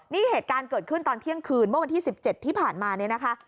นี่เหตุการณ์เกิดขึ้นตอนเที่ยงคืนเมื่อวันที่๑๗ที่ผ่านมาเนี่ยนะคะ